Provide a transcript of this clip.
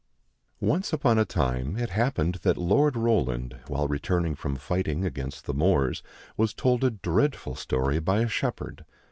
¥ O NCE upon a time it happened that Lord Roland, while returning from fighting against the Moors, was told a dreadful story by a shepherd.